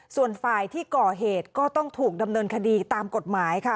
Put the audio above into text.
ส่วนฝ่ายที่ก่อเหตุก็ต้องถูกดำเนินคดีตามกฎหมายค่ะ